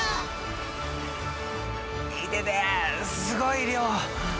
すごい量。